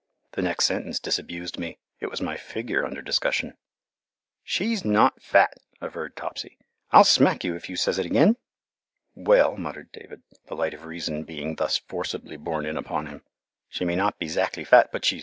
The next sentence disabused me it was my figure under discussion. "She's not fat!" averred Topsy. "I'll smack you if you says it again." "Well," muttered David, the light of reason being thus forcibly borne in upon him, "she may not be 'zactly fat, but she's fine and hearty."